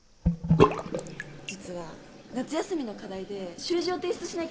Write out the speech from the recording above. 実は夏休みの課題で習字を提出しなきゃいけないんだ。